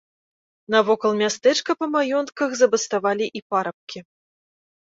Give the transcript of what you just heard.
Навокал мястэчка па маёнтках забаставалі і парабкі.